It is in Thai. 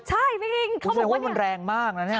ใช่มิงเขาบอกว่าเนี่ยโอ้โหมันแรงมากนะเนี่ย